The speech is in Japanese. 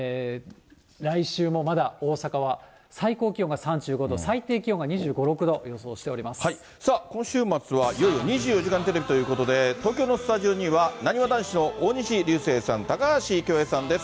来週もまだ大阪は最高気温が３５度、最低気温が２５、さあ、今週末はいよいよ２４時間テレビということで、東京のスタジオには、なにわ男子の大西流星さん、高橋恭平さんです。